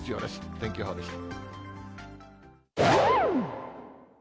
天気予報でした。